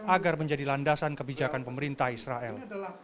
agar menjadi landasan kebijakan pemerintah israel